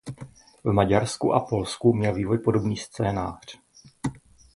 V Maďarsku a Polsku měl vývoj podobný scénář.